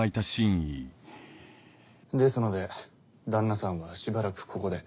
ですので旦那さんはしばらくここで。